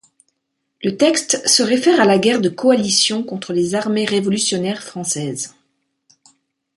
Le texte se réfère à la guerre de coalition contre les armées révolutionnaires françaises.